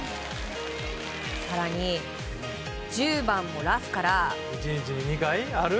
更に１０番もラフから。